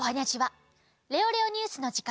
「レオレオニュース」のじかんです。